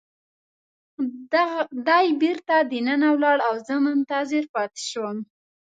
دی بیرته دننه ولاړ او ما منتظر پاتې شوم.